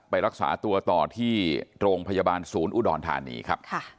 ไปรักษาตัวต่อที่โรงพยาบาลศูนย์อุดรธานีครับ